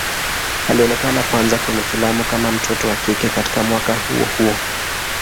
Alionekana kwanza kwenye filamu kama mtoto wa kike katika mwaka huo huo.